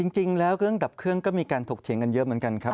จริงแล้วเครื่องดับเครื่องก็มีการถกเถียงกันเยอะเหมือนกันครับ